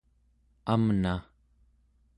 amna